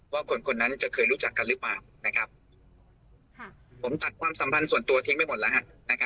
ว่าคนคนนั้นจะเคยรู้จักกันหรือเปล่าผมตัดความสัมพันธ์ส่วนตัวทิ้งไปหมดแล้วฮะ